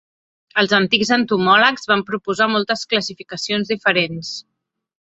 Els antics entomòlegs van proposar moltes classificacions diferents.